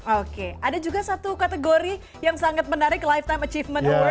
oke ada juga satu kategori yang sangat menarik lifetime achievement